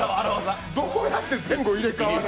どうやって前後入れ替わった？